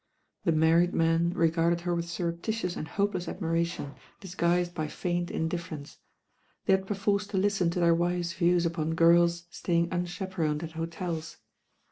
The married men regarded her with surreptitious and hopeless admi THE TOTRTY NINE ARTICLES 167 ration, disguised by feigned indifference. They had perforce to listen to their wives' views upon girls staying unchaperoned at hotels.